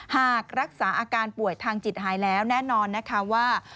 หากรักษาอาการป่วยทางจิตหายแล้วแน่นอนนะคะว่า